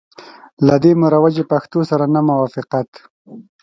له دې مروجي پښتو سره نه موافقت.